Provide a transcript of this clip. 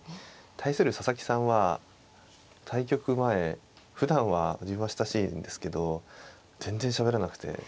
対する佐々木さんは対局前ふだんは自分は親しいんですけど全然しゃべらなくて。